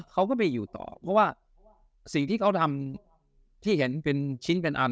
เขาก็ไปอยู่ต่อเพราะว่าสิ่งที่เขาทำที่เห็นเป็นชิ้นเป็นอัน